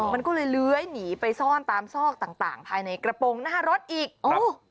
มันก็เลยเลื้อยหนีไปซ่อนตามซอกต่างต่างภายในกระโปรงหน้ารถอีกโอ้